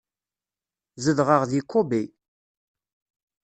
Zedɣeɣ di Kobe.